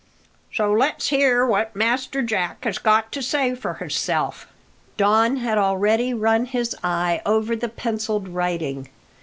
So let's hear what Master Jack has got to say for hisself." Don had already run his eye over the pencilled writing.